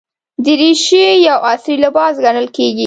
دریشي یو عصري لباس ګڼل کېږي.